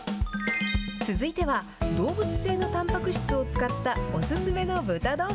続いては、動物性のたんぱく質を使ったお勧めの豚丼。